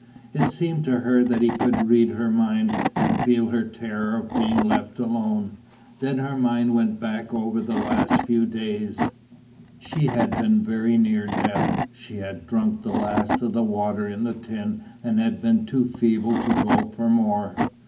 It seemed to her that he could read her mind and feel her terror of being left alone. Then her mind went back over the last few days. She had been very near death. She had drunk the last of the water in the tin and had been too feeble to go for more.